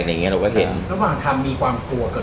ในระหว่างทำคือมีกลัวกลัวเกิดขึ้นไหมครับ